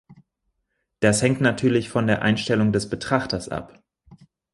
Das hängt natürlich von der Einstellung des Betrachters ab.